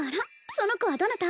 その子はどなた？